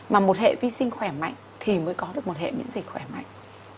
mà một hệ vi sinh khỏe mạnh thì mới có được một hệ miễn dịch khỏe mạnh